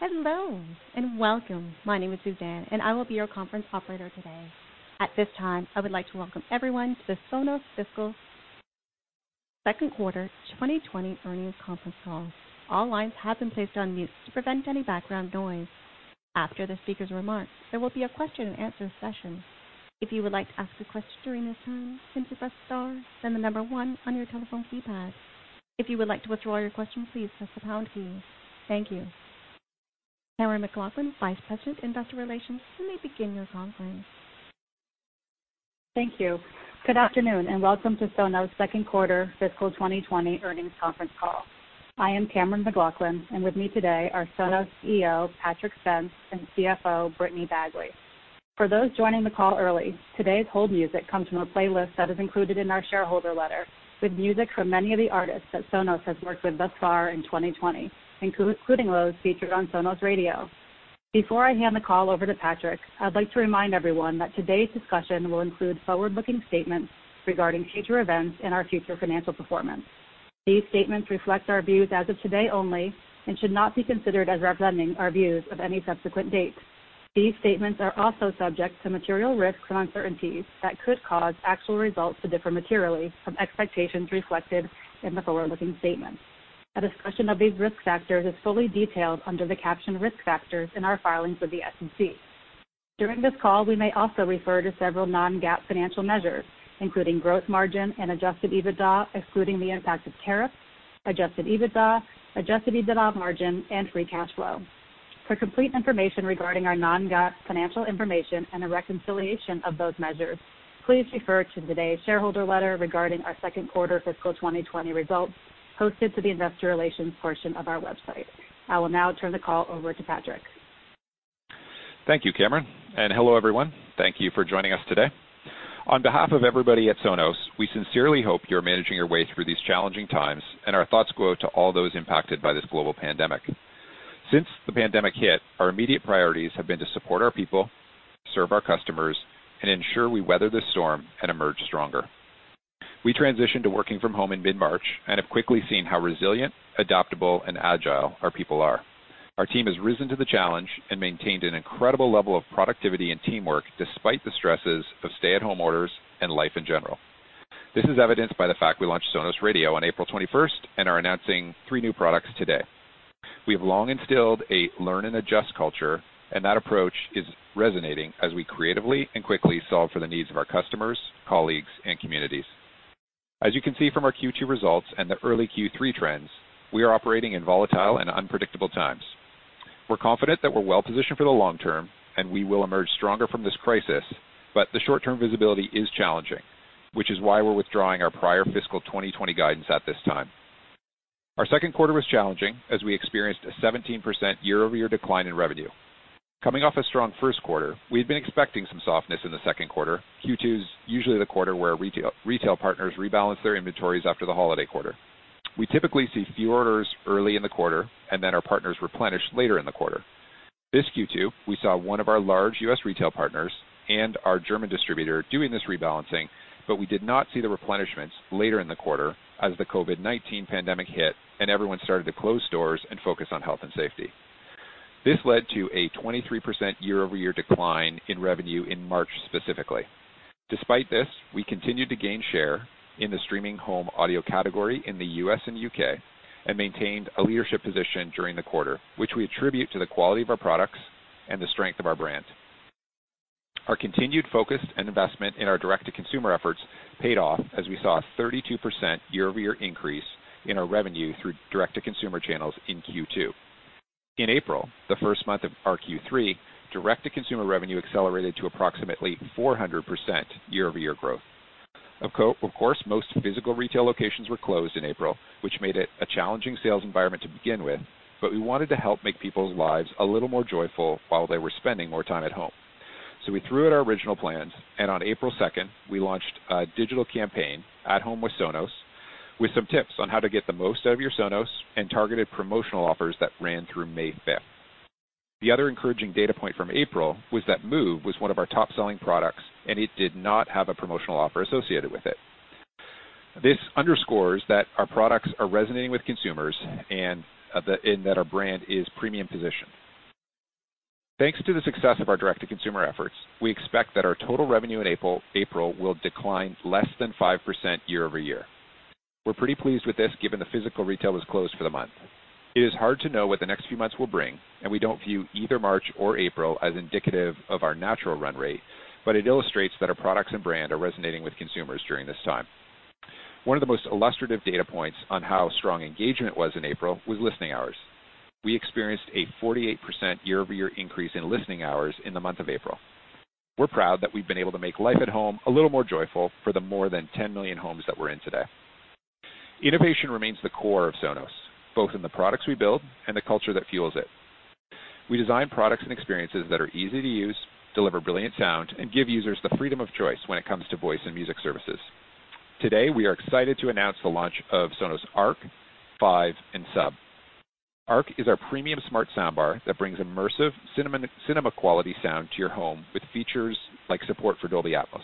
Hello, and welcome. My name is Suzanne, and I will be your conference operator today. At this time, I would like to welcome everyone to the Sonos fiscal second quarter 2020 earnings conference call. All lines have been placed on mute to prevent any background noise. After the speaker's remarks, there will be a question and answer session. If you would like to ask a question during this time, simply press star, then the number one on your telephone keypad. If you would like to withdraw your question, please press the pound key. Thank you. Cammeron McLaughlin, Vice President, Investor Relations, you may begin your conference. Thank you. Good afternoon, and welcome to Sonos second quarter fiscal 2020 earnings conference call. I am Cammeron McLaughlin, and with me today are Sonos CEO, Patrick Spence, and CFO, Brittany Bagley. For those joining the call early, today's hold music comes from a playlist that is included in our shareholder letter with music from many of the artists that Sonos has worked with thus far in 2020, including those featured on Sonos Radio. Before I hand the call over to Patrick, I'd like to remind everyone that today's discussion will include forward-looking statements regarding future events and our future financial performance. These statements reflect our views as of today only and should not be considered as representing our views of any subsequent date. These statements are also subject to material risks and uncertainties that could cause actual results to differ materially from expectations reflected in the forward-looking statements. A discussion of these risk factors is fully detailed under the caption Risk Factors in our filings with the SEC. During this call, we may also refer to several non-GAAP financial measures, including gross margin and adjusted EBITDA, excluding the impact of tariffs, adjusted EBITDA, adjusted EBITDA margin, and free cash flow. For complete information regarding our non-GAAP financial information and a reconciliation of those measures, please refer to today's shareholder letter regarding our second quarter fiscal 2020 results posted to the investor relations portion of our website. I will now turn the call over to Patrick. Thank you, Cammeron, and hello, everyone. Thank you for joining us today. On behalf of everybody at Sonos, we sincerely hope you're managing your way through these challenging times, and our thoughts go out to all those impacted by this global pandemic. Since the pandemic hit, our immediate priorities have been to support our people, serve our customers, and ensure we weather this storm and emerge stronger. We transitioned to working from home in mid-March and have quickly seen how resilient, adaptable, and agile our people are. Our team has risen to the challenge and maintained an incredible level of productivity and teamwork despite the stresses of stay-at-home orders and life in general. This is evidenced by the fact we launched Sonos Radio on April 21st and are announcing three new products today. We have long instilled a learn-and-adjust culture, and that approach is resonating as we creatively and quickly solve for the needs of our customers, colleagues, and communities. As you can see from our Q2 results and the early Q3 trends, we are operating in volatile and unpredictable times. We're confident that we're well-positioned for the long term, and we will emerge stronger from this crisis, but the short-term visibility is challenging, which is why we're withdrawing our prior fiscal 2020 guidance at this time. Our second quarter was challenging, as we experienced a 17% year-over-year decline in revenue. Coming off a strong first quarter, we had been expecting some softness in the second quarter. Q2 is usually the quarter where retail partners rebalance their inventories after the holiday quarter. We typically see few orders early in the quarter, and then our partners replenish later in the quarter. This Q2, we saw one of our large U.S. retail partners and our German distributor doing this rebalancing. We did not see the replenishments later in the quarter as the COVID-19 pandemic hit and everyone started to close stores and focus on health and safety. This led to a 23% year-over-year decline in revenue in March specifically. Despite this, we continued to gain share in the streaming home audio category in the U.S. and U.K. and maintained a leadership position during the quarter, which we attribute to the quality of our products and the strength of our brand. Our continued focus and investment in our direct-to-consumer efforts paid off as we saw a 32% year-over-year increase in our revenue through direct-to-consumer channels in Q2. In April, the first month of our Q3, direct-to-consumer revenue accelerated to approximately 400% year-over-year growth. Of course, most physical retail locations were closed in April, which made it a challenging sales environment to begin with, but we wanted to help make people's lives a little more joyful while they were spending more time at home. We threw out our original plans, and on April 2nd, we launched a digital campaign, At Home with Sonos, with some tips on how to get the most out of your Sonos and targeted promotional offers that ran through May 5th. The other encouraging data point from April was that Move was one of our top-selling products, and it did not have a promotional offer associated with it. This underscores that our products are resonating with consumers and that our brand is premium-positioned. Thanks to the success of our direct-to-consumer efforts, we expect that our total revenue in April will decline less than 5% year-over-year. We're pretty pleased with this given the physical retail was closed for the month. It is hard to know what the next few months will bring, and we don't view either March or April as indicative of our natural run rate, but it illustrates that our products and brand are resonating with consumers during this time. One of the most illustrative data points on how strong engagement was in April was listening hours. We experienced a 48% year-over-year increase in listening hours in the month of April. We're proud that we've been able to make life at home a little more joyful for the more than 10 million homes that we're in today. Innovation remains the core of Sonos, both in the products we build and the culture that fuels it. We design products and experiences that are easy to use, deliver brilliant sound, and give users the freedom of choice when it comes to voice and music services. Today, we are excited to announce the launch of Sonos Arc, Five, and Sub. Arc is our premium smart soundbar that brings immersive cinema-quality sound to your home with features like support for Dolby Atmos.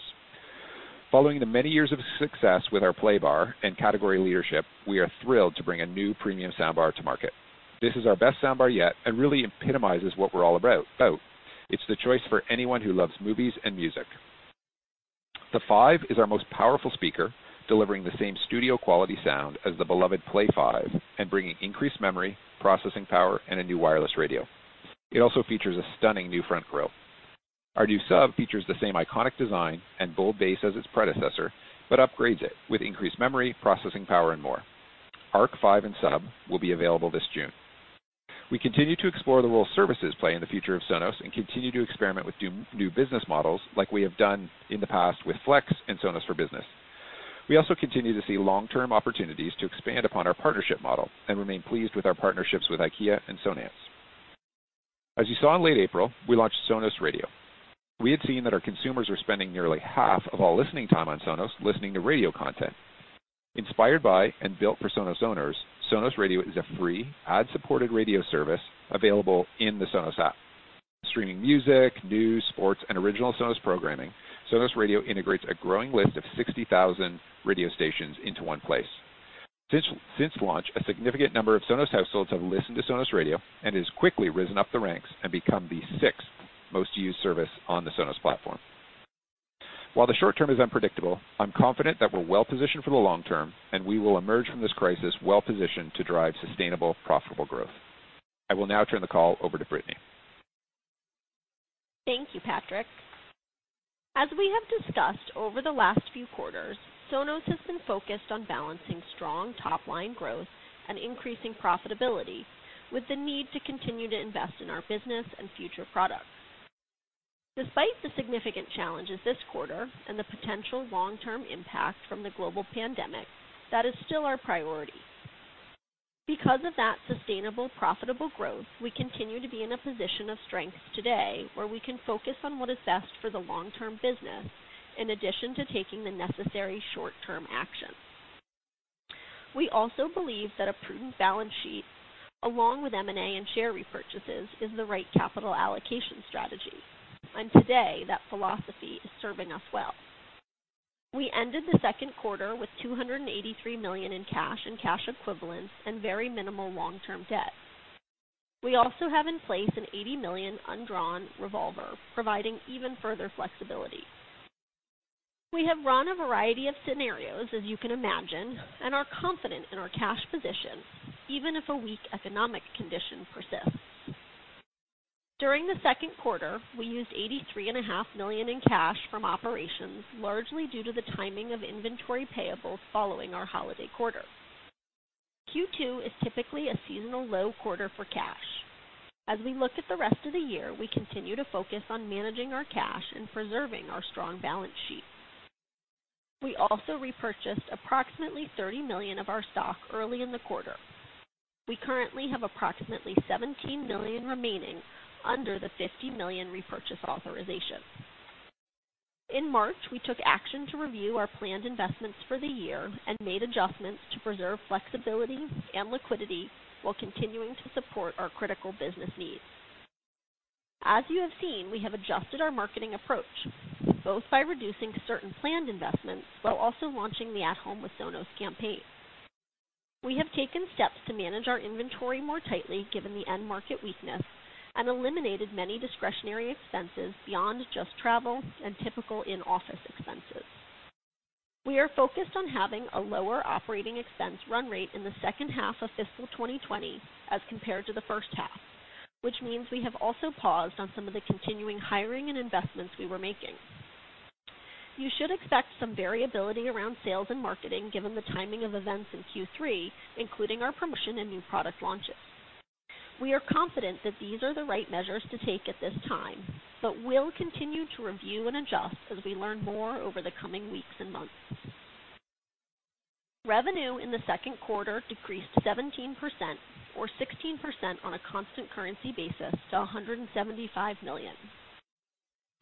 Following the many years of success with our Playbar and category leadership, we are thrilled to bring a new premium soundbar to market. This is our best soundbar yet and really epitomizes what we're all about. It's the choice for anyone who loves movies and music. The Five is our most powerful speaker, delivering the same studio quality sound as the beloved Play:5 and bringing increased memory, processing power, and a new wireless radio. It also features a stunning new front grille. Our new Sub features the same iconic design and bold bass as its predecessor, but upgrades it with increased memory, processing power, and more. Arc Five and Sub will be available this June. We continue to explore the role services play in the future of Sonos and continue to experiment with new business models like we have done in the past with Flex and Sonos for Business. We also continue to see long-term opportunities to expand upon our partnership model and remain pleased with our partnerships with IKEA and Sonance. As you saw in late April, we launched Sonos Radio. We had seen that our consumers are spending nearly half of all listening time on Sonos listening to radio content. Inspired by and built for Sonos owners, Sonos Radio is a free ad-supported radio service available in the Sonos app. Streaming music, news, sports, and original Sonos programming, Sonos Radio integrates a growing list of 60,000 radio stations into one place. Since launch, a significant number of Sonos households have listened to Sonos Radio, and it has quickly risen up the ranks and become the sixth most used service on the Sonos platform. While the short-term is unpredictable, I'm confident that we're well-positioned for the long term, and we will emerge from this crisis well-positioned to drive sustainable, profitable growth. I will now turn the call over to Brittany. Thank you, Patrick. As we have discussed over the last few quarters, Sonos has been focused on balancing strong top-line growth and increasing profitability with the need to continue to invest in our business and future products. Despite the significant challenges this quarter and the potential long-term impact from the global pandemic, that is still our priority. Because of that sustainable, profitable growth, we continue to be in a position of strength today where we can focus on what is best for the long-term business, in addition to taking the necessary short-term actions. We also believe that a prudent balance sheet, along with M&A and share repurchases, is the right capital allocation strategy. Today, that philosophy is serving us well. We ended the second quarter with $283 million in cash and cash equivalents and very minimal long-term debt. We also have in place an $80 million undrawn revolver, providing even further flexibility. We have run a variety of scenarios, as you can imagine, and are confident in our cash position, even if a weak economic condition persists. During the second quarter, we used $83.5 million in cash from operations, largely due to the timing of inventory payables following our holiday quarter. Q2 is typically a seasonal low quarter for cash. We look at the rest of the year, we continue to focus on managing our cash and preserving our strong balance sheet. We also repurchased approximately $30 million of our stock early in the quarter. We currently have approximately $17 million remaining under the $50 million repurchase authorization. In March, we took action to review our planned investments for the year and made adjustments to preserve flexibility and liquidity while continuing to support our critical business needs. As you have seen, we have adjusted our marketing approach, both by reducing certain planned investments while also launching the At Home with Sonos campaign. We have taken steps to manage our inventory more tightly given the end market weakness and eliminated many discretionary expenses beyond just travel and typical in-office expenses. We are focused on having a lower operating expense run rate in the second half of fiscal 2020 as compared to the first half, which means we have also paused on some of the continuing hiring and investments we were making. You should expect some variability around sales and marketing given the timing of events in Q3, including our promotion and new product launches. We are confident that these are the right measures to take at this time, but we'll continue to review and adjust as we learn more over the coming weeks and months. Revenue in the second quarter decreased 17%, or 16% on a constant currency basis, to $175 million.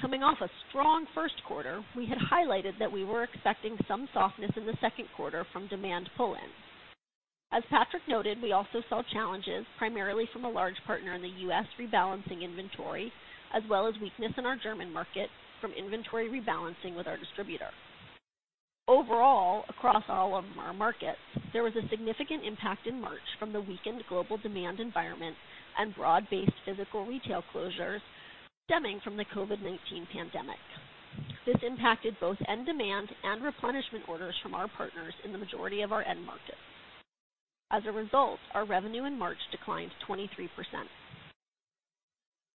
Coming off a strong first quarter, we had highlighted that we were expecting some softness in the second quarter from demand pull-ins. As Patrick noted, we also saw challenges primarily from a large partner in the U.S. rebalancing inventory, as well as weakness in our German market from inventory rebalancing with our distributor. Across all of our markets, there was a significant impact in March from the weakened global demand environment and broad-based physical retail closures stemming from the COVID-19 pandemic. This impacted both end demand and replenishment orders from our partners in the majority of our end markets. Our revenue in March declined 23%.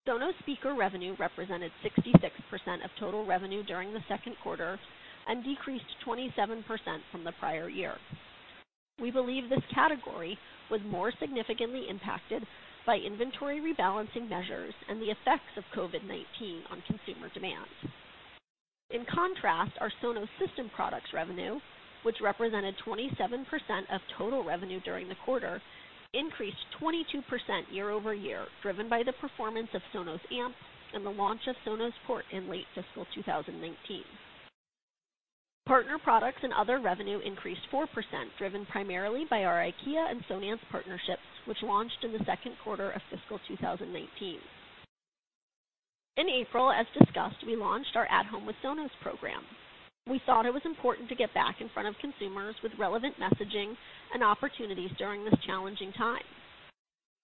Sonos speaker revenue represented 66% of total revenue during the second quarter and decreased 27% from the prior year. We believe this category was more significantly impacted by inventory rebalancing measures and the effects of COVID-19 on consumer demand. In contrast, our Sonos system products revenue, which represented 27% of total revenue during the quarter, increased 22% year-over-year, driven by the performance of Sonos Amp and the launch of Sonos Port in late fiscal 2019. Partner products and other revenue increased 4%, driven primarily by our IKEA and Sonance partnerships, which launched in the second quarter of fiscal 2019. In April, as discussed, we launched our At Home with Sonos program. We thought it was important to get back in front of consumers with relevant messaging and opportunities during this challenging time.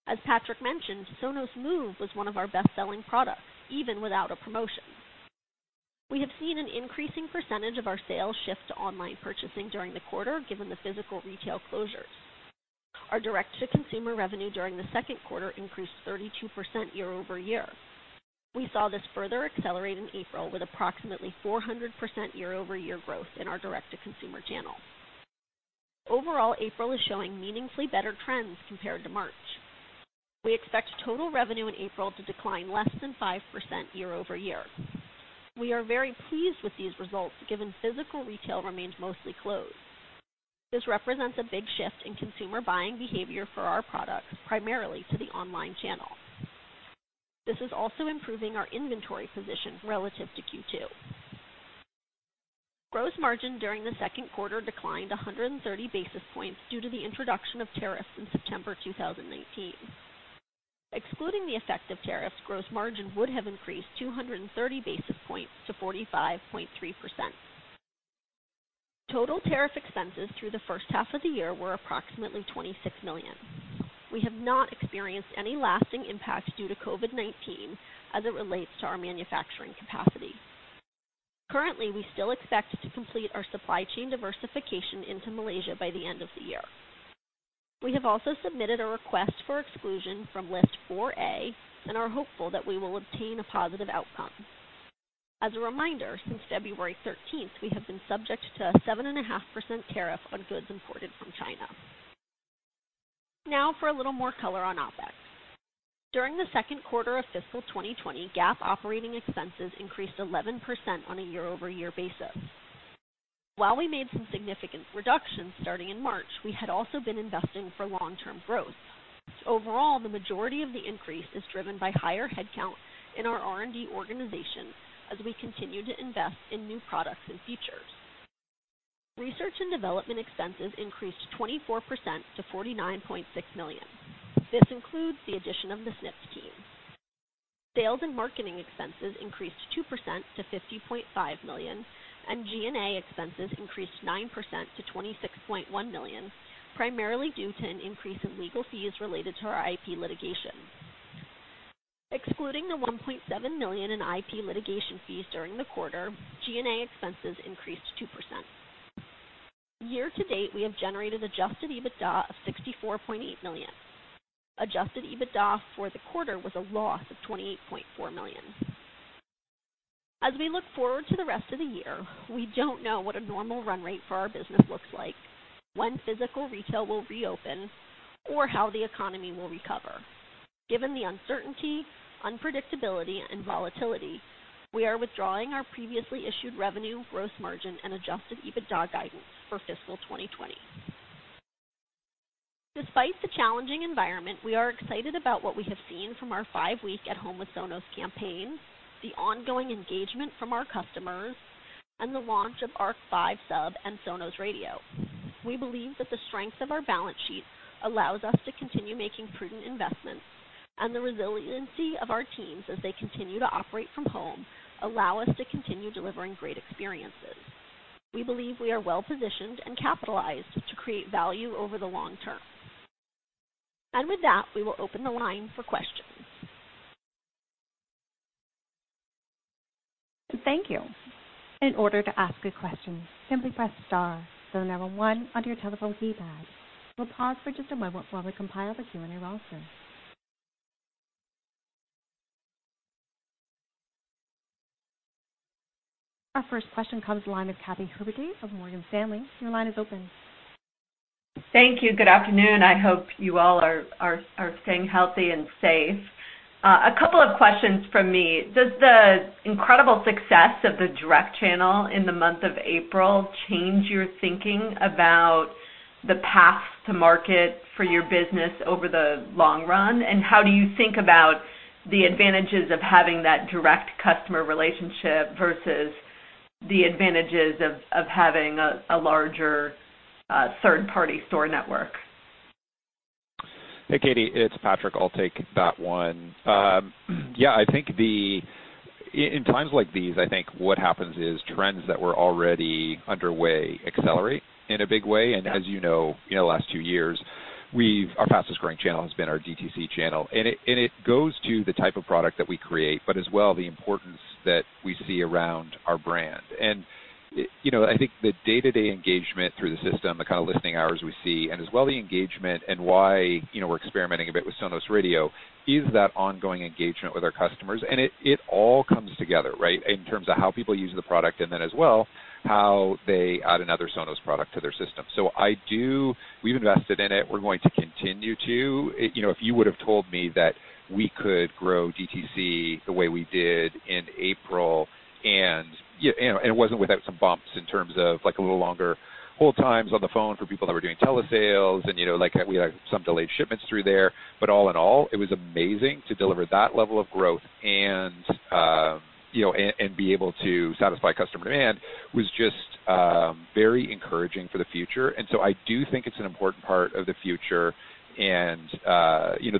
As Patrick mentioned, Sonos Move was one of our best-selling products, even without a promotion. We have seen an increasing percentage of our sales shift to online purchasing during the quarter, given the physical retail closures. Our direct-to-consumer revenue during the second quarter increased 32% year-over-year. We saw this further accelerate in April with approximately 400% year-over-year growth in our direct-to-consumer channel. Overall, April is showing meaningfully better trends compared to March. We expect total revenue in April to decline less than 5% year-over-year. We are very pleased with these results, given physical retail remains mostly closed. This represents a big shift in consumer buying behavior for our products, primarily to the online channel. This is also improving our inventory position relative to Q2. Gross margin during the second quarter declined 130 basis points due to the introduction of tariffs in September 2019. Excluding the effect of tariffs, gross margin would have increased 230 basis points to 45.3%. Total tariff expenses through the first half of the year were approximately $26 million. We have not experienced any lasting impacts due to COVID-19 as it relates to our manufacturing capacity. Currently, we still expect to complete our supply chain diversification into Malaysia by the end of the year. We have also submitted a request for exclusion from List 4A and are hopeful that we will obtain a positive outcome. As a reminder, since February 13th, we have been subject to a 7.5% tariff on goods imported from China. For a little more color on OPEX. During the second quarter of fiscal 2020, GAAP operating expenses increased 11% on a year-over-year basis. While we made some significant reductions starting in March, we had also been investing for long-term growth. The majority of the increase is driven by higher headcount in our R&D organization as we continue to invest in new products and features. Research and development expenses increased 24% to $49.6 million. This includes the addition of the Snips team. Sales and marketing expenses increased 2% to $50.5 million, and G&A expenses increased 9% to $26.1 million, primarily due to an increase in legal fees related to our IP litigation. Excluding the $1.7 million in IP litigation fees during the quarter, G&A expenses increased 2%. Year to date, we have generated adjusted EBITDA of $64.8 million. Adjusted EBITDA for the quarter was a loss of $28.4 million. As we look forward to the rest of the year, we don't know what a normal run rate for our business looks like, when physical retail will reopen, or how the economy will recover. Given the uncertainty, unpredictability, and volatility, we are withdrawing our previously issued revenue, gross margin, and adjusted EBITDA guidance for fiscal 2020. Despite the challenging environment, we are excited about what we have seen from our five-week At Home with Sonos campaign, the ongoing engagement from our customers, and the launch of Arc Five Sub and Sonos Radio. We believe that the strength of our balance sheet allows us to continue making prudent investments, and the resiliency of our teams as they continue to operate from home allow us to continue delivering great experiences. We believe we are well-positioned and capitalized to create value over the long term. With that, we will open the line for questions. Thank you. In order to ask a question, simply press star zero one on your telephone keypad. We'll pause for just a moment while we compile the Q&A roster. Our first question comes the line of Katy Huberty of Morgan Stanley. Your line is open. Thank you. Good afternoon. I hope you all are staying healthy and safe. A couple of questions from me. Does the incredible success of the direct channel in the month of April change your thinking about the path to market for your business over the long run? How do you think about the advantages of having that direct customer relationship versus the advantages of having a larger third-party store network? Hey, Katy, it's Patrick. I'll take that one. Yeah, in times like these, I think what happens is trends that were already underway accelerate in a big way. As you know, in the last two years, our fastest growing channel has been our DTC channel, and it goes to the type of product that we create, but as well, the importance that we see around our brand. I think the day-to-day engagement through the system, the kind of listening hours we see, and as well, the engagement and why we're experimenting a bit with Sonos Radio is that ongoing engagement with our customers. It all comes together, right, in terms of how people use the product and then as well, how they add another Sonos product to their system. We've invested in it. We're going to continue to. If you would have told me that we could grow DTC the way we did in April, and it wasn't without some bumps in terms of a little longer hold times on the phone for people that were doing telesales, and we had some delayed shipments through there. All in all, it was amazing to deliver that level of growth. Be able to satisfy customer demand was just very encouraging for the future. I do think it's an important part of the future, and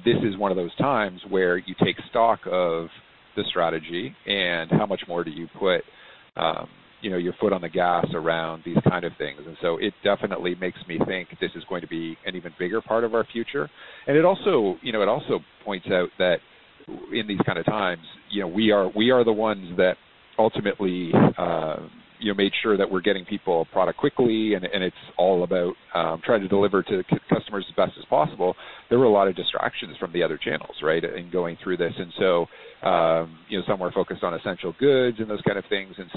this is one of those times where you take stock of the strategy and how much more do you put your foot on the gas around these kind of things. It definitely makes me think this is going to be an even bigger part of our future. It also points out that in these kind of times, we are the ones that ultimately made sure that we're getting people a product quickly, and it's all about trying to deliver to customers as best as possible. There were a lot of distractions from the other channels, right, in going through this. Some were focused on essential goods and those kind of things. It's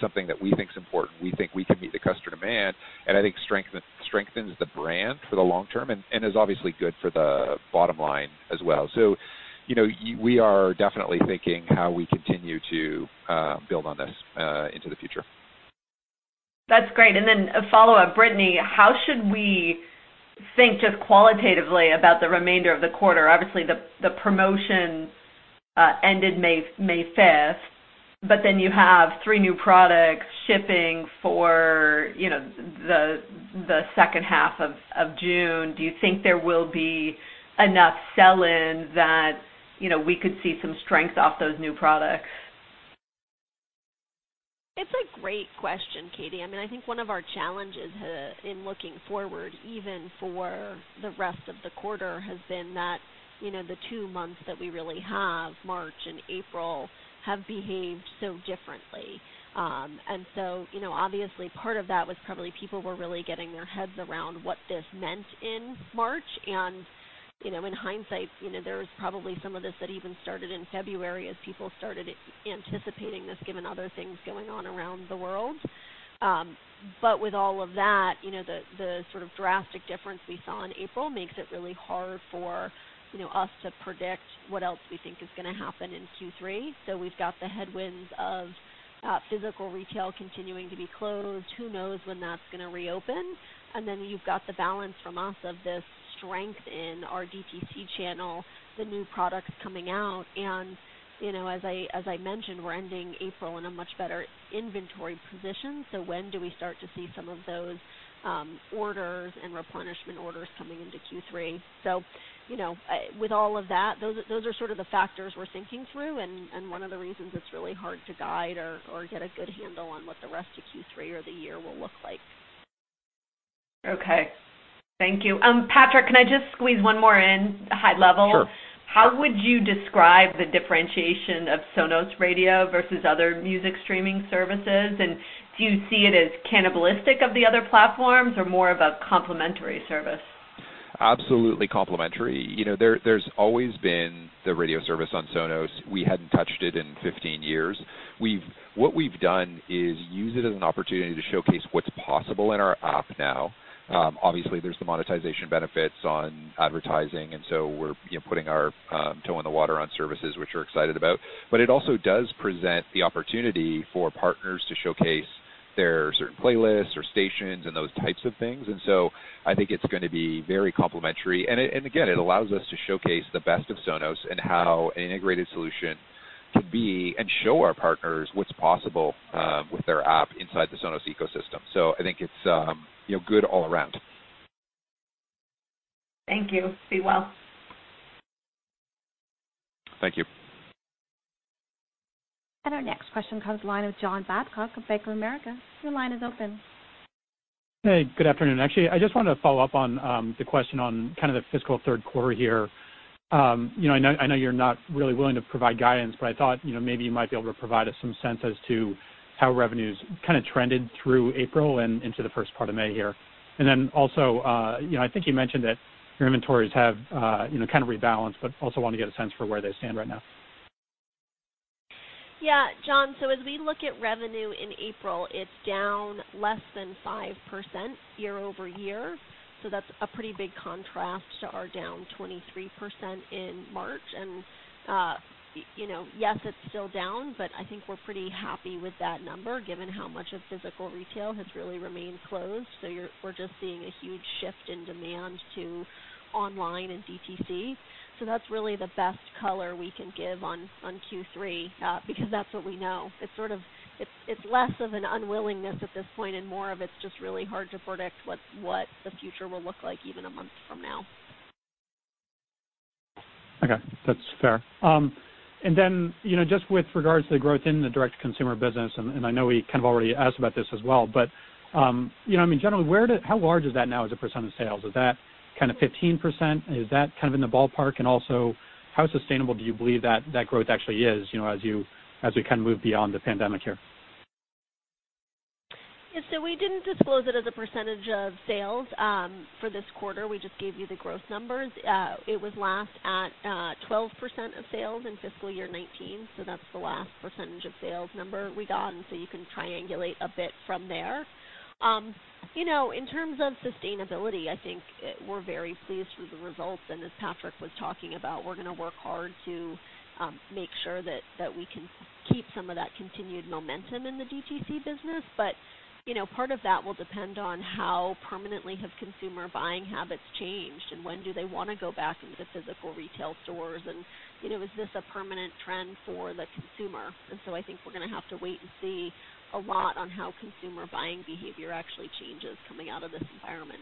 something that we think is important. We think we can meet the customer demand, and I think strengthens the brand for the long term and is obviously good for the bottom line as well. We are definitely thinking how we continue to build on this into the future. That's great. A follow-up, Brittany, how should we think just qualitatively about the remainder of the quarter? Obviously, the promotion ended May 5th. You have three new products shipping for the second half of June. Do you think there will be enough sell-in that we could see some strength off those new products? It's a great question, Katy. I think one of our challenges in looking forward, even for the rest of the quarter, has been that the two months that we really have, March and April, have behaved so differently. Obviously part of that was probably people were really getting their heads around what this meant in March. And, in hindsight, there was probably some of this that even started in February as people started anticipating this, given other things going on around the world. With all of that, the sort of drastic difference we saw in April makes it really hard for us to predict what else we think is going to happen in Q3. We've got the headwinds of physical retail continuing to be closed. Who knows when that's going to reopen? You've got the balance from us of this strength in our DTC channel, the new products coming out, and as I mentioned, we're ending April in a much better inventory position. When do we start to see some of those orders and replenishment orders coming into Q3? With all of that, those are sort of the factors we're thinking through, and one of the reasons it's really hard to guide or get a good handle on what the rest of Q3 or the year will look like. Okay. Thank you. Patrick, can I just squeeze one more in high level? Sure. How would you describe the differentiation of Sonos Radio versus other music streaming services, and do you see it as cannibalistic of the other platforms or more of a complementary service? Absolutely complementary. There's always been the radio service on Sonos. We hadn't touched it in 15 years. What we've done is use it as an opportunity to showcase what's possible in our app now. Obviously, there's the monetization benefits on advertising, so we're putting our toe in the water on services, which we're excited about. It also does present the opportunity for partners to showcase their certain playlists or stations and those types of things. I think it's going to be very complementary. Again, it allows us to showcase the best of Sonos and how an integrated solution can be and show our partners what's possible with their app inside the Sonos ecosystem. I think it's good all around. Thank you. Be well. Thank you. Our next question comes line of John Babcock of Bank of America. Your line is open. Hey, good afternoon. Actually, I just wanted to follow up on the question on kind of the fiscal third quarter here. I know you're not really willing to provide guidance. I thought maybe you might be able to provide us some sense as to how revenues kind of trended through April and into the first part of May here. Also, I think you mentioned that your inventories have kind of rebalanced, but also want to get a sense for where they stand right now. Yeah. John, as we look at revenue in April, it's down less than 5% year-over-year. That's a pretty big contrast to our down 23% in March. Yes, it's still down, but I think we're pretty happy with that number given how much of physical retail has really remained closed. We're just seeing a huge shift in demand to online and DTC. That's really the best color we can give on Q3 because that's what we know. It's less of an unwillingness at this point and more of it's just really hard to predict what the future will look like even a month from now. Okay. That's fair. Just with regards to the growth in the direct consumer business, and I know we kind of already asked about this as well, but generally, how large is that now as a percent of sales? Is that kind of 15%? Is that kind of in the ballpark? Also, how sustainable do you believe that growth actually is as we kind of move beyond the pandemic here? Yeah, we didn't disclose it as a % of sales for this quarter. We just gave you the growth numbers. It was last at 12% of sales in fiscal year 2019, so that's the last % of sales number we got, and so you can triangulate a bit from there. In terms of sustainability, I think we're very pleased with the results, and as Patrick was talking about, we're going to work hard to make sure that we can keep some of that continued momentum in the DTC business. Part of that will depend on how permanently have consumer buying habits changed, and when do they want to go back into physical retail stores, and is this a permanent trend for the consumer? I think we're going to have to wait and see a lot on how consumer buying behavior actually changes coming out of this environment.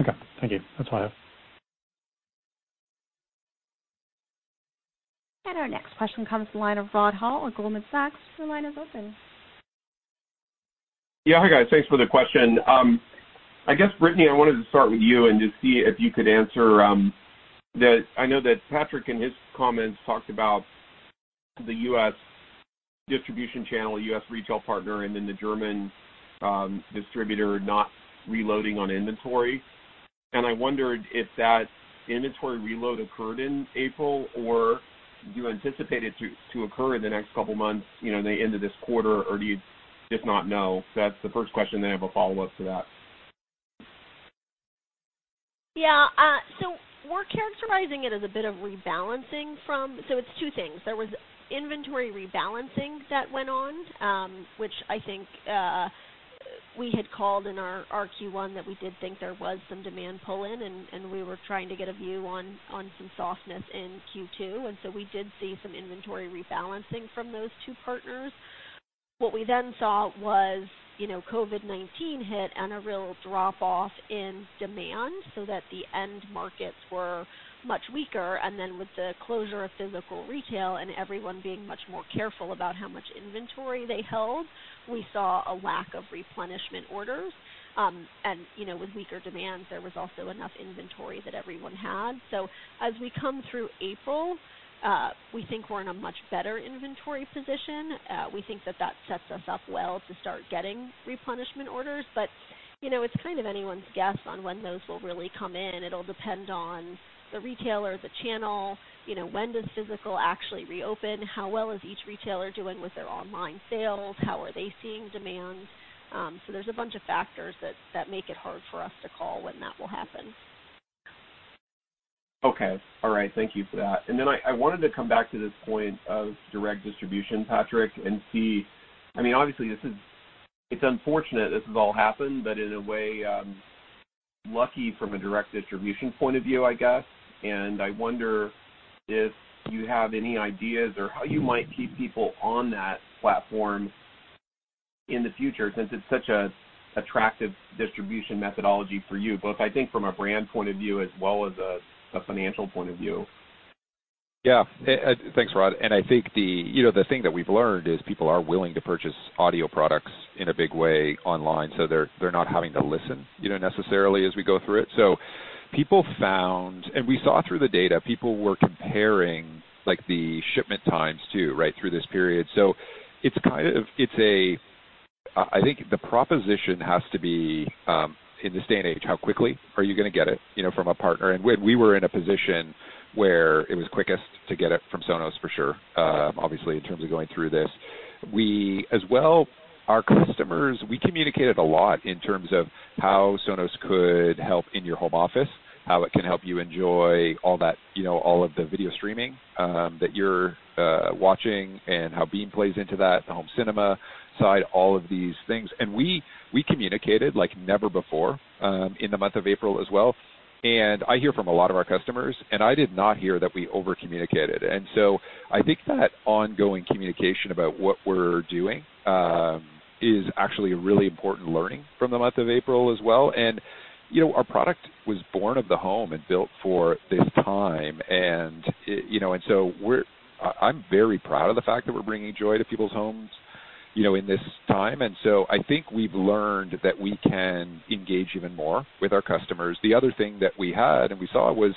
Okay. Thank you. That's all I have. Our next question comes from the line of Rod Hall at Goldman Sachs. Your line is open. Yeah. Hi, guys. Thanks for the question. I guess, Brittany, I wanted to start with you and just see if you could answer. I know that Patrick, in his comments, talked about the U.S. distribution channel, U.S. retail partner, and then the German distributor not reloading on inventory. I wondered if that inventory reload occurred in April, or do you anticipate it to occur in the next couple of months, the end of this quarter? Do you just not know? That's the first question, I have a follow-up to that. Yeah. It's two things. There was inventory rebalancing that went on, which I think we had called in our Q1 that we did think there was some demand pull-in, and we were trying to get a view on some softness in Q2. We did see some inventory rebalancing from those two partners. We then saw COVID-19 hit and a real drop-off in demand so that the end markets were much weaker. With the closure of physical retail and everyone being much more careful about how much inventory they held, we saw a lack of replenishment orders. With weaker demands, there was also enough inventory that everyone had. As we come through April, we think we're in a much better inventory position. We think that that sets us up well to start getting replenishment orders. It's kind of anyone's guess on when those will really come in. It'll depend on the retailer, the channel, when does physical actually reopen, how well is each retailer doing with their online sales, how are they seeing demand. There's a bunch of factors that make it hard for us to call when that will happen. Okay. All right. Thank you for that. I wanted to come back to this point of direct distribution, Patrick, and see, obviously, it's unfortunate this has all happened, but in a way, lucky from a direct distribution point of view, I guess. I wonder if you have any ideas or how you might keep people on that platform in the future, since it's such an attractive distribution methodology for you, both, I think, from a brand point of view as well as a financial point of view. Yeah. Thanks, Rod. I think the thing that we've learned is people are willing to purchase audio products in a big way online, so they're not having to listen necessarily as we go through it. We saw through the data, people were comparing the shipment times, too, right through this period. I think the proposition has to be, in this day and age, how quickly are you going to get it from a partner? We were in a position where it was quickest to get it from Sonos for sure, obviously, in terms of going through this. As well, our customers, we communicated a lot in terms of how Sonos could help in your home office, how it can help you enjoy all of the video streaming that you're watching, and how Beam plays into that, the home cinema side, all of these things. We communicated like never before in the month of April as well. I hear from a lot of our customers, and I did not hear that we over-communicated. I think that ongoing communication about what we're doing is actually a really important learning from the month of April as well. Our product was born of the home and built for this time, and so I'm very proud of the fact that we're bringing joy to people's homes in this time. I think we've learned that we can engage even more with our customers. The other thing that we had and we saw was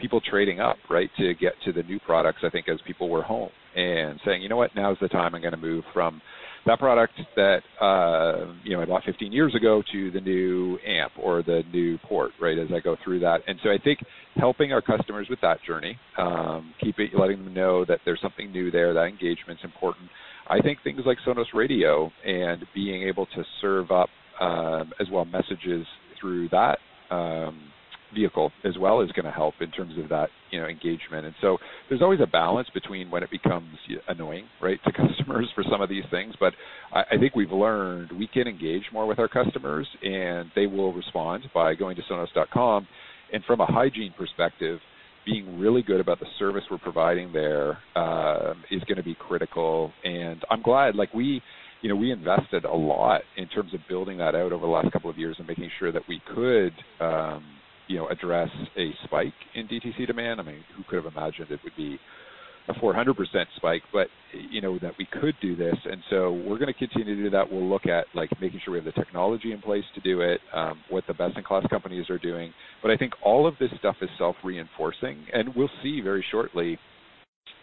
people trading up, right, to get to the new products, I think, as people were home and saying, "You know what? Now is the time I'm going to move from that product that I bought 15 years ago to the new amp or the new port, right, as I go through that. I think helping our customers with that journey, letting them know that there's something new there, that engagement's important. I think things like Sonos Radio and being able to serve up, as well, messages through that vehicle as well is going to help in terms of that engagement. There's always a balance between when it becomes annoying, right, to customers for some of these things. I think we've learned we can engage more with our customers, and they will respond by going to sonos.com. From a hygiene perspective, being really good about the service we're providing there is going to be critical, and I'm glad. We invested a lot in terms of building that out over the last couple of years and making sure that we could address a spike in DTC demand. Who could have imagined it would be a 400% spike, that we could do this. We're going to continue to do that. We'll look at making sure we have the technology in place to do it, what the best-in-class companies are doing. I think all of this stuff is self-reinforcing, and we'll see very shortly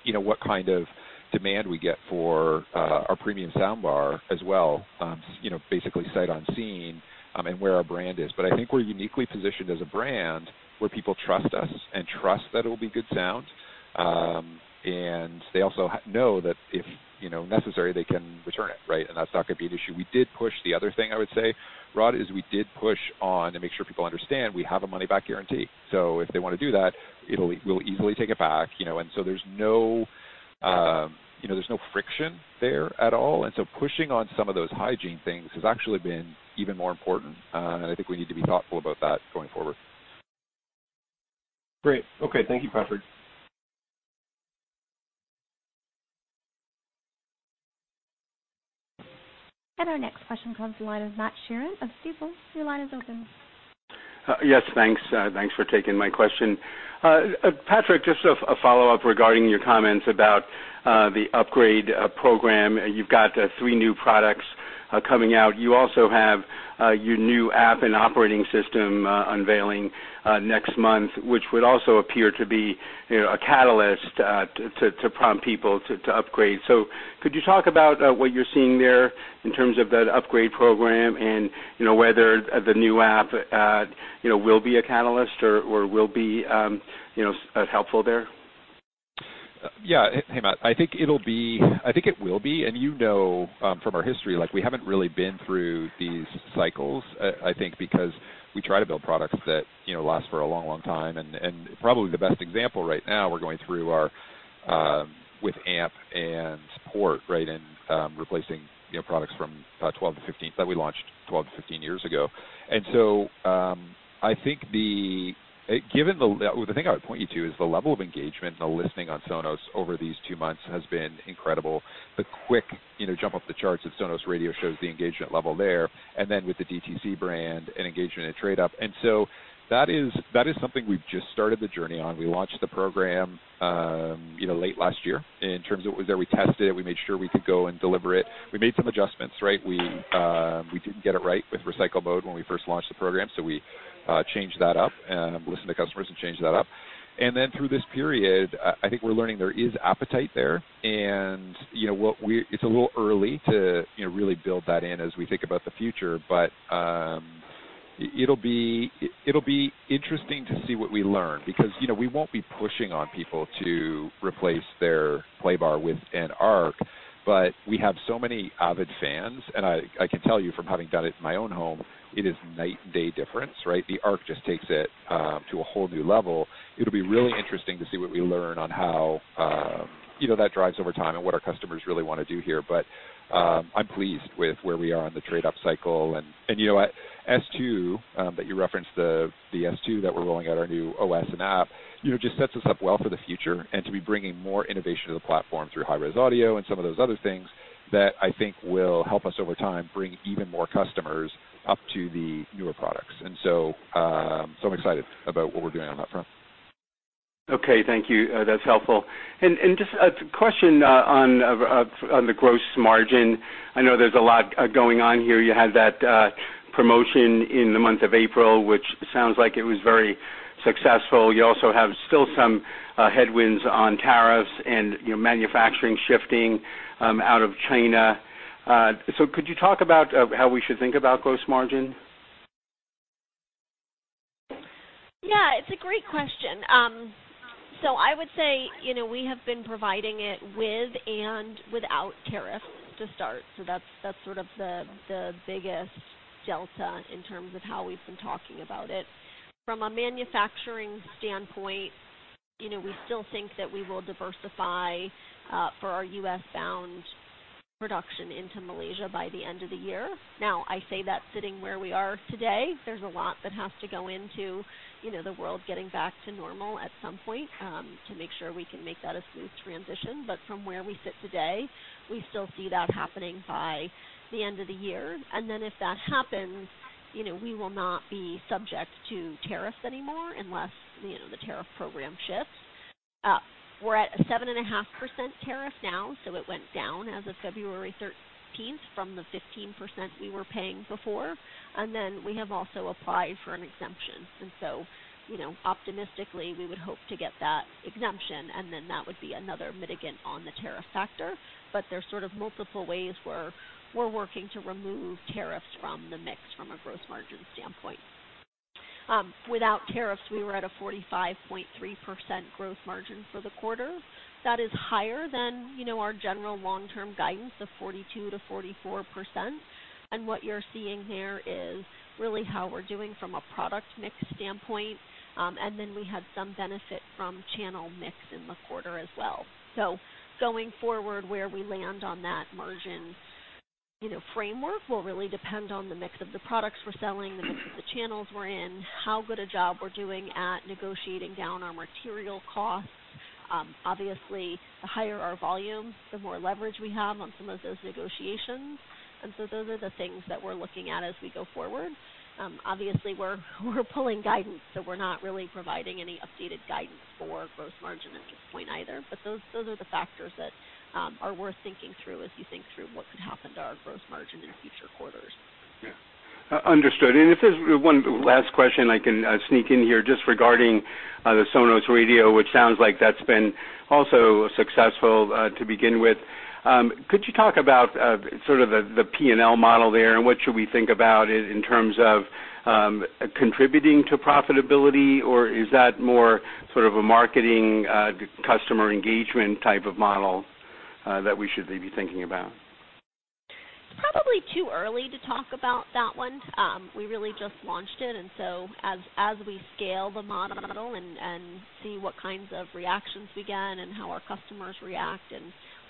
what kind of demand we get for our premium soundbar as well, basically sight unseen, and where our brand is. I think we're uniquely positioned as a brand where people trust us and trust that it'll be good sound, and they also know that if necessary, they can return it, right? That's not going to be an issue. The other thing I would say, Rod, is we did push on to make sure people understand we have a money-back guarantee. If they want to do that, we'll easily take it back. There's no friction there at all, and so pushing on some of those hygiene things has actually been even more important. I think we need to be thoughtful about that going forward. Great. Okay. Thank you, Patrick. Our next question comes from the line of Matt Sheerin of Stifel. Your line is open. Yes, thanks. Thanks for taking my question. Patrick, just a follow-up regarding your comments about the upgrade program. You've got three new products coming out. You also have your new app and operating system unveiling next month, which would also appear to be a catalyst to prompt people to upgrade. Could you talk about what you're seeing there in terms of that upgrade program and whether the new app will be a catalyst or will be helpful there? Yeah. Hey, Matt. I think it will be, you know from our history, we haven't really been through these cycles, I think because we try to build products that last for a long time. Probably the best example right now we're going through are with Amp and Port, and replacing products that we launched 12-15 years ago. I think the thing I would point you to is the level of engagement and the listening on Sonos over these two months has been incredible. The quick jump up the charts of Sonos Radio shows the engagement level there, then with the DTC brand and engagement and trade-up. That is something we've just started the journey on. We launched the program late last year. In terms of there, we tested it. We made sure we could go and deliver it. We made some adjustments, right? We didn't get it right with Recycle Mode when we first launched the program. We listened to customers and changed that up. Through this period, I think we're learning there is appetite there, and it's a little early to really build that in as we think about the future, but it'll be interesting to see what we learn because we won't be pushing on people to replace their Playbar with an Arc. We have so many avid fans, and I can tell you from having done it in my own home, it is night and day difference, right? The Arc just takes it to a whole new level. It'll be really interesting to see what we learn on how that drives over time and what our customers really want to do here. I'm pleased with where we are on the Trade Up cycle, and S2, that you referenced, the S2 that we're rolling out, our new OS and app, just sets us up well for the future and to be bringing more innovation to the platform through hi-res audio and some of those other things that I think will help us over time bring even more customers up to the newer products. I'm excited about what we're doing on that front. Okay. Thank you. That's helpful. Just a question on the gross margin. I know there's a lot going on here. You had that promotion in the month of April, which sounds like it was very successful. You also have still some headwinds on tariffs and manufacturing shifting out of China. Could you talk about how we should think about gross margin? Yeah. It's a great question. I would say, we have been providing it with and without tariff to start. That's the biggest delta in terms of how we've been talking about it. From a manufacturing standpoint, we still think that we will diversify for our U.S.-bound production into Malaysia by the end of the year. Now, I say that sitting where we are today. There's a lot that has to go into the world getting back to normal at some point to make sure we can make that a smooth transition. From where we sit today, we still see that happening by the end of the year. If that happens, we will not be subject to tariffs anymore unless the tariff program shifts. We're at a 7.5% tariff now, so it went down as of February 13th from the 15% we were paying before. We have also applied for an exemption. Optimistically, we would hope to get that exemption, that would be another mitigant on the tariff factor. There's sort of multiple ways we're working to remove tariffs from the mix from a gross margin standpoint. Without tariffs, we were at a 45.3% gross margin for the quarter. That is higher than our general long-term guidance of 42%-44%. What you're seeing there is really how we're doing from a product mix standpoint, we had some benefit from channel mix in the quarter as well. Going forward, where we land on that margin framework will really depend on the mix of the products we're selling, the mix of the channels we're in, how good a job we're doing at negotiating down our material costs. Obviously, the higher our volume, the more leverage we have on some of those negotiations. Those are the things that we're looking at as we go forward. Obviously, we're pulling guidance, so we're not really providing any updated guidance for gross margin at this point either. Those are the factors that are worth thinking through as you think through what could happen to our gross margin in future quarters. Yeah. Understood. If there's one last question I can sneak in here, just regarding the Sonos Radio, which sounds like that's been also successful to begin with. Could you talk about sort of the P&L model there, and what should we think about in terms of contributing to profitability, or is that more sort of a marketing, customer engagement type of model that we should be thinking about? Probably too early to talk about that one. We really just launched it, and so as we scale the model and see what kinds of reactions we get and how our customers react and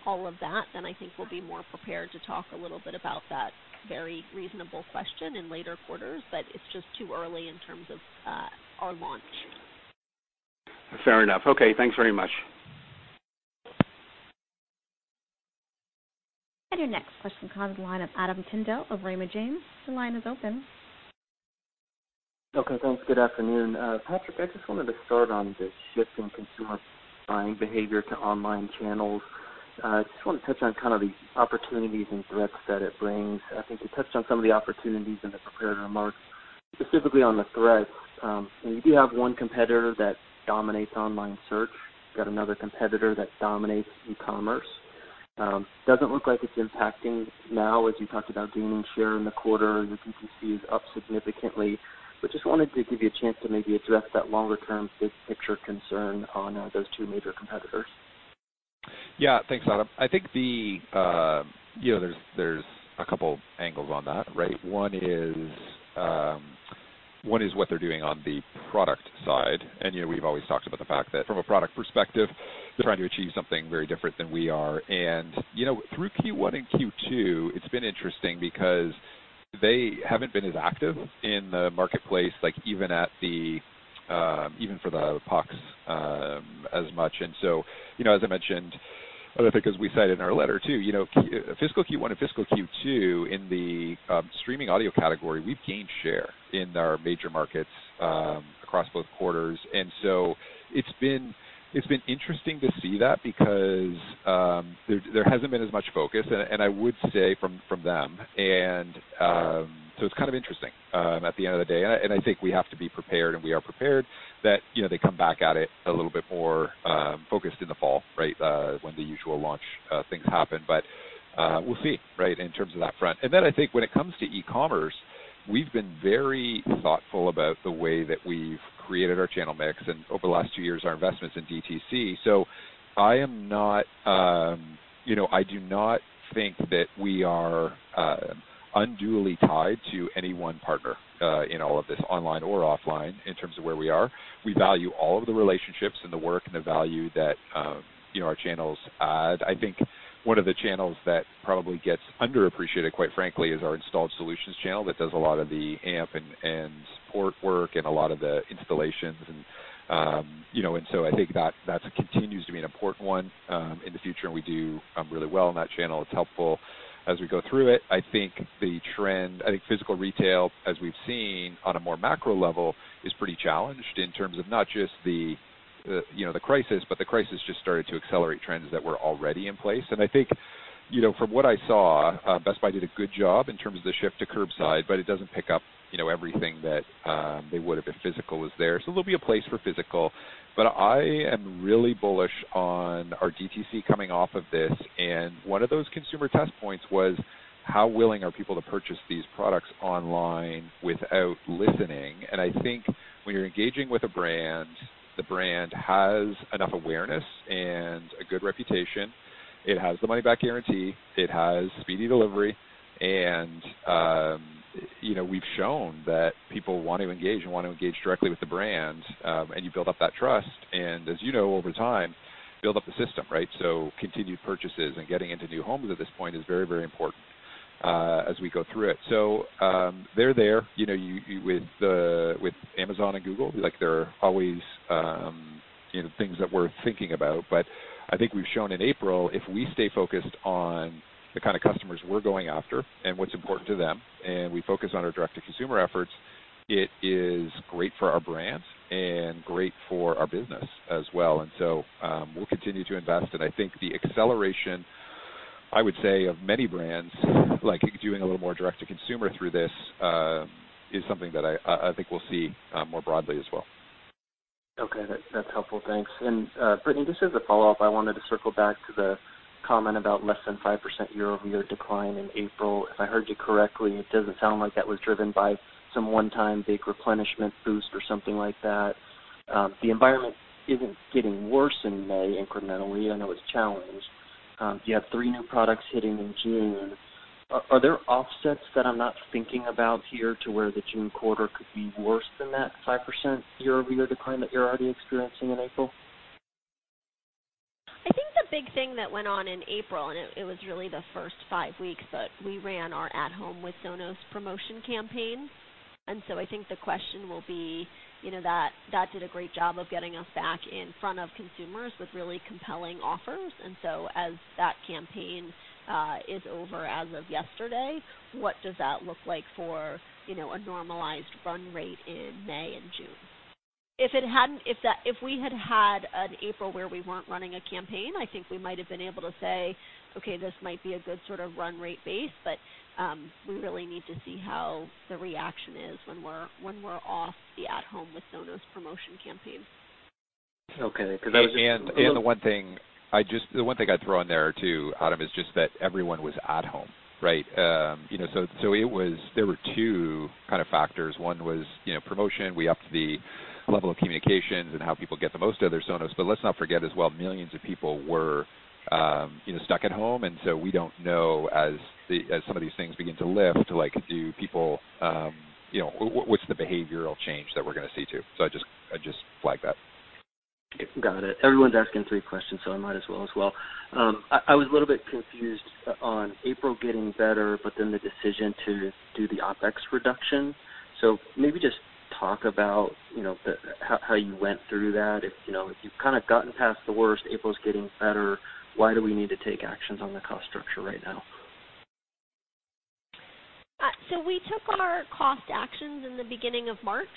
all of that, then I think we'll be more prepared to talk a little bit about that very reasonable question in later quarters. It's just too early in terms of our launch. Fair enough. Okay. Thanks very much. Your next question comes line of Adam Tindle of Raymond James. The line is open. Okay, thanks. Good afternoon. Patrick, I just wanted to start on the shift in consumer buying behavior to online channels. I just want to touch on these opportunities and threats that it brings. I think you touched on some of the opportunities in the prepared remarks. Specifically on the threats, you do have one competitor that dominates online search, you've got another competitor that dominates e-commerce. Doesn't look like it's impacting now, as you talked about gaining share in the quarter and your DTC is up significantly. Just wanted to give you a chance to maybe address that longer term big picture concern on those two major competitors. Yeah. Thanks, Adam. I think there's a couple angles on that, right? One is what they're doing on the product side. We've always talked about the fact that from a product perspective, they're trying to achieve something very different than we are. Through Q1 and Q2, it's been interesting because they haven't been as active in the marketplace, even for the pucks as much. As I mentioned, I think as we cited in our letter, too, fiscal Q1 and fiscal Q2 in the streaming audio category, we've gained share in our major markets across both quarters. It's been interesting to see that because there hasn't been as much focus, I would say from them. It's kind of interesting at the end of the day. I think we have to be prepared, and we are prepared that they come back at it a little bit more focused in the fall, right? When the usual launch things happen. We'll see, right, in terms of that front. I think when it comes to e-commerce, we've been very thoughtful about the way that we've created our channel mix and over the last two years, our investments in DTC. So I do not think that we are unduly tied to any one partner, in all of this online or offline in terms of where we are. We value all of the relationships and the work and the value that our channels add. I think one of the channels that probably gets underappreciated, quite frankly, is our installed solutions channel that does a lot of the Amp and Port work and a lot of the installations. I think that continues to be an important one in the future, and we do really well on that channel. It's helpful as we go through it. I think physical retail, as we've seen on a more macro level, is pretty challenged in terms of not just the crisis, but the crisis just started to accelerate trends that were already in place. I think from what I saw, Best Buy did a good job in terms of the shift to curbside, but it doesn't pick up everything that they would have if physical was there. There'll be a place for physical. I am really bullish on our DTC coming off of this, and one of those consumer test points was how willing are people to purchase these products online without listening. I think when you're engaging with a brand, the brand has enough awareness and a good reputation. It has the money-back guarantee, it has speedy delivery, and we've shown that people want to engage and want to engage directly with the brand, and you build up that trust. As you know, over time, build up the system, right? Continued purchases and getting into new homes at this point is very important as we go through it. They're there with Amazon and Google. There are always things that we're thinking about. I think we've shown in April, if we stay focused on the kind of customers we're going after and what's important to them, and we focus on our direct-to-consumer efforts, it is great for our brand and great for our business as well. We'll continue to invest, and I think the acceleration, I would say, of many brands doing a little more direct-to-consumer through this is something that I think we'll see more broadly as well. Okay. That's helpful. Thanks. Brittany, just as a follow-up, I wanted to circle back to the comment about less than 5% year-over-year decline in April. If I heard you correctly, it doesn't sound like that was driven by some one-time big replenishment boost or something like that. The environment isn't getting worse in May incrementally. I know it's challenged. You have three new products hitting in June. Are there offsets that I'm not thinking about here to where the June quarter could be worse than that 5% year-over-year decline that you're already experiencing in April? I think the big thing that went on in April, and it was really the first five weeks, but we ran our At Home with Sonos promotion campaign. I think the question will be that did a great job of getting us back in front of consumers with really compelling offers. As that campaign is over as of yesterday, what does that look like for a normalized run rate in May and June? If we had had an April where we weren't running a campaign, I think we might have been able to say, "Okay, this might be a good sort of run rate base." But we really need to see how the reaction is when we're off the At Home with Sonos promotion campaign. Okay. The one thing I'd throw in there, too, Adam Tindle, is just that everyone was at home, right? There were two kind of factors. One was promotion. We upped the level of communications and how people get the most out of their Sonos. Let's not forget as well, millions of people were stuck at home. We don't know, as some of these things begin to lift, what's the behavioral change that we're going to see too? I'd just flag that. Got it. Everyone's asking three questions, I might as well. I was a little bit confused on April getting better, but then the decision to do the OpEx reduction. Maybe just talk about how you went through that. If you've kind of gotten past the worst, April's getting better, why do we need to take actions on the cost structure right now? We took our cost actions in the beginning of March.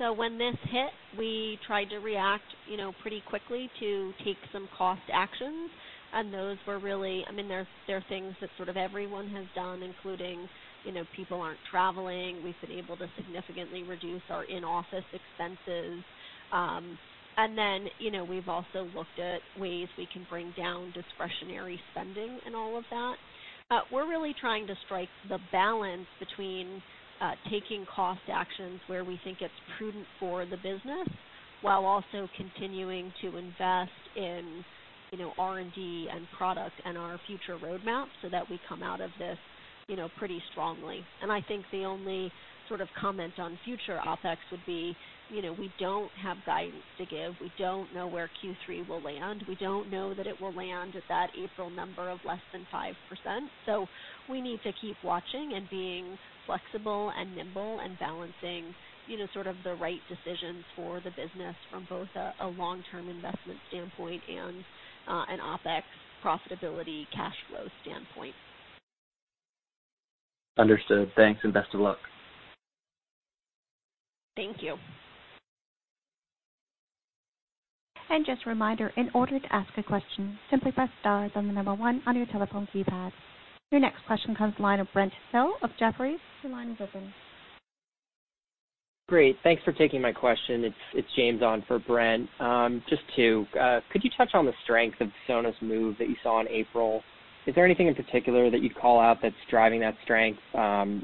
When this hit, we tried to react pretty quickly to take some cost actions. Those were, there are things that sort of everyone has done, including people aren't traveling. We've been able to significantly reduce our in-office expenses. We've also looked at ways we can bring down discretionary spending and all of that. We're really trying to strike the balance between taking cost actions where we think it's prudent for the business, while also continuing to invest in R&D and product and our future roadmap so that we come out of this pretty strongly. I think the only sort of comment on future OPEX would be, we don't have guidance to give. We don't know where Q3 will land. We don't know that it will land at that April number of less than 5%. We need to keep watching and being flexible and nimble and balancing sort of the right decisions for the business from both a long-term investment standpoint and an OpEx profitability cash flow standpoint. Understood. Thanks and best of luck. Thank you. Just a reminder, in order to ask a question, simply press star then the number one on your telephone keypad. Your next question comes the line of Brent Thill of Jefferies. Your line is open. Great. Thanks for taking my question. It's James on for Brent. Just two. Could you touch on the strength of Sonos Move that you saw in April? Is there anything in particular that you'd call out that's driving that strength?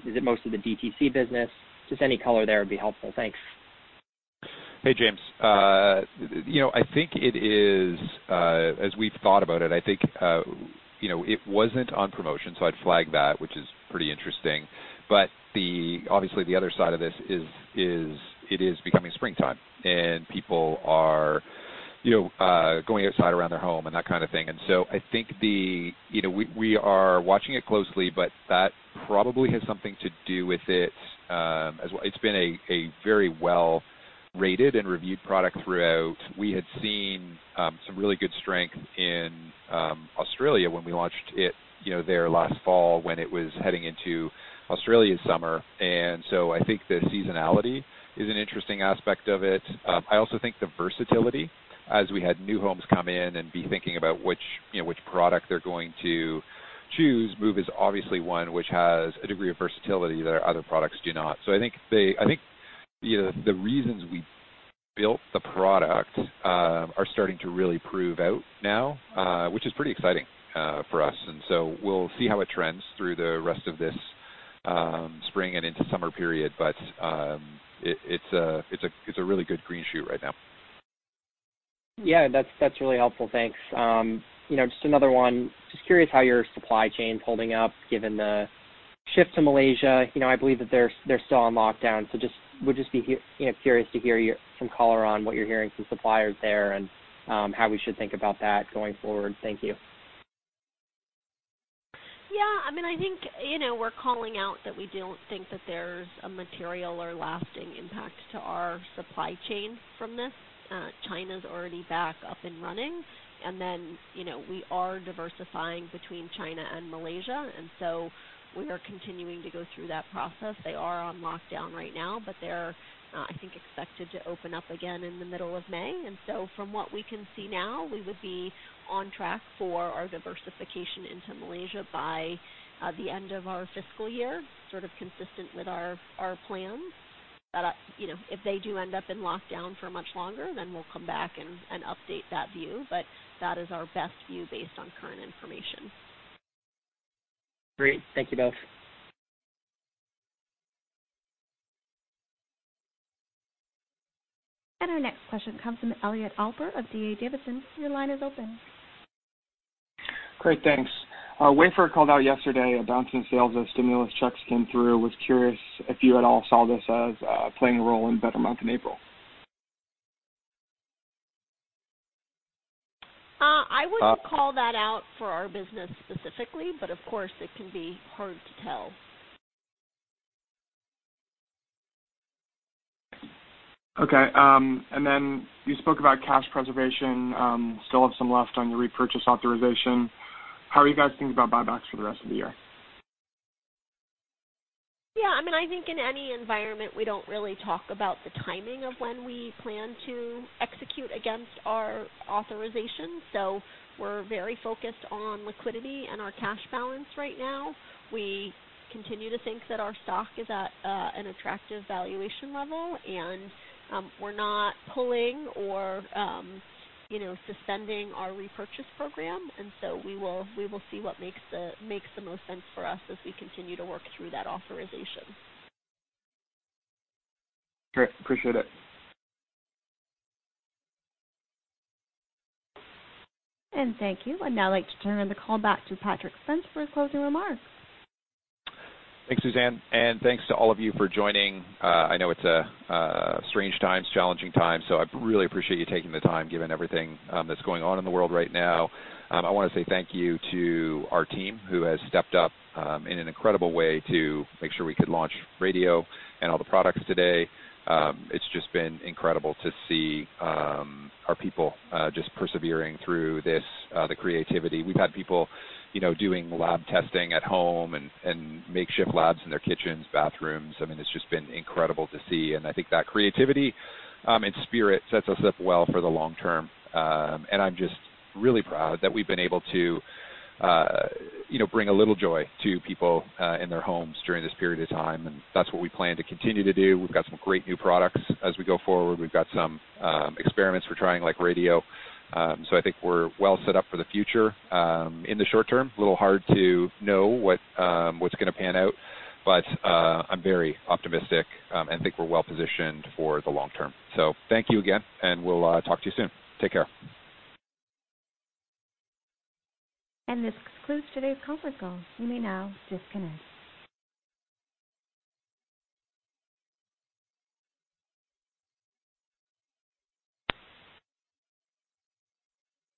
Is it most of the DTC business? Just any color there would be helpful. Thanks. Hey, James. I think it is, as we've thought about it, I think it wasn't on promotion, so I'd flag that, which is pretty interesting. Obviously the other side of this is it is becoming springtime and people are going outside around their home and that kind of thing. So I think we are watching it closely, but that probably has something to do with it, as well. It's been a very well-rated and reviewed product throughout. We had seen some really good strength in Australia when we launched it there last fall when it was heading into Australia's summer. So I think the seasonality is an interesting aspect of it. I also think the versatility, as we had new homes come in and be thinking about which product they're going to choose, Move is obviously one which has a degree of versatility that our other products do not. I think the reasons we built the product are starting to really prove out now, which is pretty exciting for us. We'll see how it trends through the rest of this spring and into summer period. It's a really good green shoot right now. Yeah, that's really helpful. Thanks. Just another one. Just curious how your supply chain's holding up given the shift to Malaysia. I believe that they're still on lockdown, so would just be curious to hear some color on what you're hearing from suppliers there and how we should think about that going forward. Thank you. Yeah, I think we're calling out that we don't think that there's a material or lasting impact to our supply chain from this. China's already back up and running. We are diversifying between China and Malaysia, we are continuing to go through that process. They are on lockdown right now, they're expected to open up again in the middle of May. From what we can see now, we would be on track for our diversification into Malaysia by the end of our fiscal year, sort of consistent with our plans. If they do end up in lockdown for much longer, we'll come back and update that view. That is our best view based on current information. Great. Thank you both. Our next question comes from Elliot Alper of D.A. Davidson. Your line is open. Great. Thanks. Wayfair called out yesterday a bounce in sales as stimulus checks came through. Was curious if you at all saw this as playing a role in a better month in April. I wouldn't call that out for our business specifically, but of course, it can be hard to tell. Okay. You spoke about cash preservation, still have some left on your repurchase authorization. How are you guys thinking about buybacks for the rest of the year? Yeah, I think in any environment, we don't really talk about the timing of when we plan to execute against our authorization. We're very focused on liquidity and our cash balance right now. We continue to think that our stock is at an attractive valuation level, and we're not pulling or suspending our repurchase program. We will see what makes the most sense for us as we continue to work through that authorization. Great. Appreciate it. Thank you. I'd now like to turn the call back to Patrick Spence for his closing remarks. Thanks, Suzanne. Thanks to all of you for joining. I know it's strange times, challenging times, so I really appreciate you taking the time, given everything that's going on in the world right now. I want to say thank you to our team, who has stepped up in an incredible way to make sure we could launch Radio and all the products today. It's just been incredible to see our people just persevering through this, the creativity. We've had people doing lab testing at home and makeshift labs in their kitchens, bathrooms. It's just been incredible to see, and I think that creativity and spirit sets us up well for the long term. I'm just really proud that we've been able to bring a little joy to people in their homes during this period of time, and that's what we plan to continue to do. We've got some great new products as we go forward. We've got some experiments we're trying, like Radio. I think we're well set up for the future. In the short term, a little hard to know what's going to pan out. I'm very optimistic and think we're well positioned for the long term. Thank you again, and we'll talk to you soon. Take care. This concludes today's conference call. You may now disconnect.